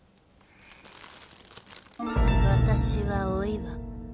私はお岩。